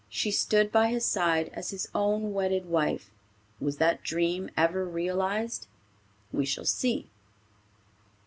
She stood by his side as his own wedded wife. Was that dream ever realized? We shall see.